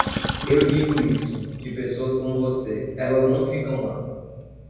Eu digo isso; de pessoas como você, elas não ficam lá.